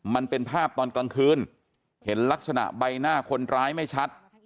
มันเป็นภาพตอนกลางคืนเห็นลักษณะใบหน้าคนร้ายไม่ชัด